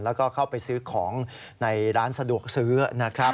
แล้วก็เข้าไปซื้อของในร้านสะดวกซื้อนะครับ